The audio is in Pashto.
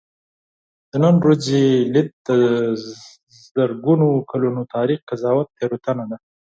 د نن ورځې لید د زرګونو کلونو تاریخ قضاوت تېروتنه ده.